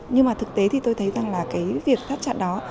nhưng mà thực tế thì tôi thấy rằng là cái việc thắt chặt đó